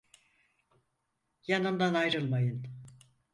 Yanımdan ayrılmayın!